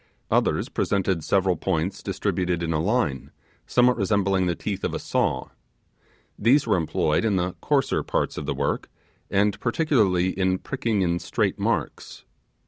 Others presented several points distributed in a line, somewhat resembling the teeth of a saw. These were employed in the coarser parts of the work, and particularly in pricking in straight marks.